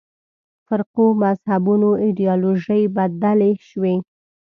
فرقو مذهبونو ایدیالوژۍ بدلې شوې.